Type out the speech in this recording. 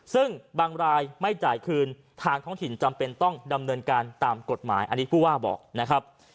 ซึ่งบางรายไม่จ่ายคืนทางท้องถิ่นจำเป็นต้องดำเนินการตามกฎหมายอันนี้ผู้ว่าบอกนะครับ